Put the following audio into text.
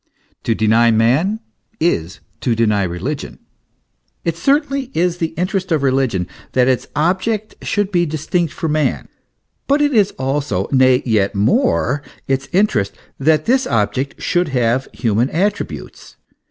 To deny man, is to deny religion. It certainly is the interest of religion that its object should be distinct from man; but it is also, nay, yet more its in terest, that this object should have human attributes.